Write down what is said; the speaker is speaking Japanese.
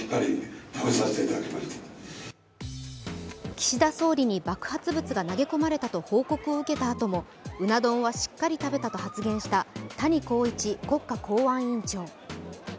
岸田総理に爆発物が投げ込まれたと報告を受けたあともうな丼はしっかり食べたと発言した谷公一国家公安委員長。